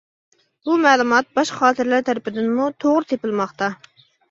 بۇ مەلۇمات باشقا خاتىرىلەر تەرىپىدىنمۇ توغرا تېپىلماقتا.